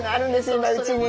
今うちに。